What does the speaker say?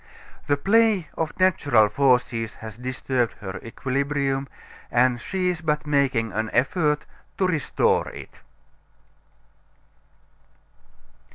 The play of natural forces has disturbed her equilibrium, and she is but making an effort to restore it.